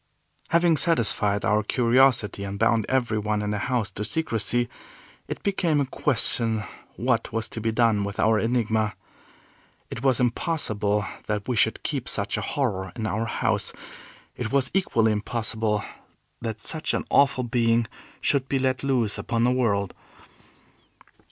Having satisfied our curiosity, and bound every one in the house to secrecy, it became a question what was to be done with our Enigma? It was impossible that we should keep such a horror in our house; it was equally impossible that such an awful being should be let loose upon the world.